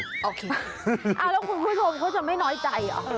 แล้วคุณผู้ชมเขาจะไม่น้อยใจอ่ะ